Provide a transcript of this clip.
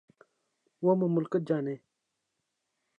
وہ مملکت جانے۔